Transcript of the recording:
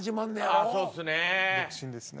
ああそうっすね。